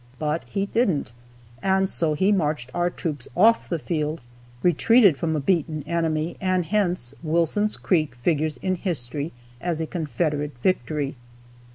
But he didn't, and so he marched our troops off the field, retreated from a beaten enemy, and hence Wilson's Creek figures in history as a Confederate victory.